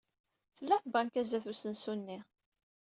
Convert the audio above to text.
Tella tbanka sdat usensu-nni.